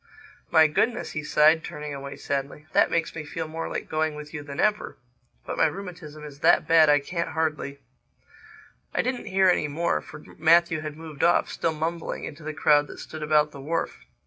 "My Goodness," he sighed, turning away sadly. "That makes me feel more like going with you than ever—But my rheumatism is that bad I can't hardly—" I didn't hear any more for Matthew had moved off, still mumbling, into the crowd that stood about the wharf.